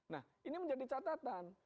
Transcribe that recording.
nah ini menjadi catatan